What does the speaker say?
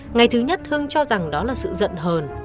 ngày thứ nhất hưng cho rằng đó là sự giận hờn